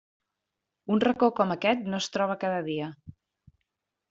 Un racó com aquest no es troba cada dia.